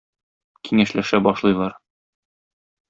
Киңәшләшә башлыйлар.